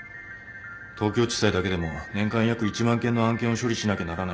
東京地裁だけでも年間約１万件の案件を処理しなきゃならないんだ。